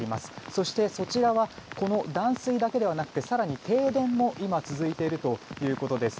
そして、そちらはこの断水だけではなくて更に停電も今続いているということです。